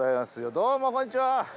どうもこんにちは。